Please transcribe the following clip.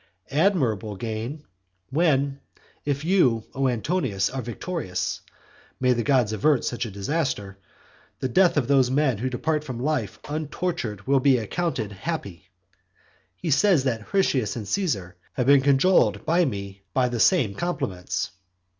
Admirable gain, when, if you, O Antonius, are victorious, (may the gods avert such a disaster!) the death of those men who depart from life untortured will be accounted happy! He says that Hirtius and Caesar "have been cajoled by me by the same compliments."